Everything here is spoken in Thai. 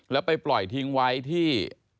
แล้วไปปล่อยทิ้งไว้ที่